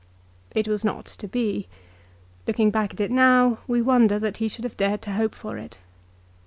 It was not to be. Looking back at it now we wonder that he should have dared to hope for it.